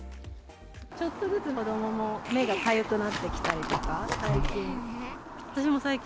ちょっとずつ子どもも、目がかゆくなってきたりとか、最近。